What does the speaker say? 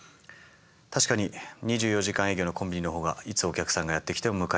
確かに２４時間営業のコンビニの方がいつお客さんがやって来ても迎え入れることができますね。